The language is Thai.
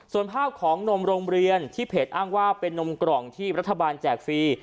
ส่วนภาพของนมโรงเรียนที่เพจอ้างว่าเป็นนมกล่องที่รัฐบาลแจกฟรี